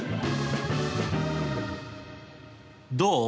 どう？